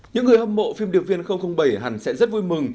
những người hâm mộ phim điệp viên bảy hẳn sẽ rất vui mừng